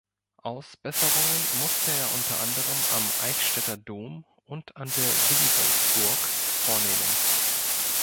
Ausbesserungen musste er unter anderem am Eichstätter Dom und an der Willibaldsburg vornehmen.